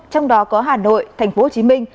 trong đó có hà nội thành phố hồ chí minh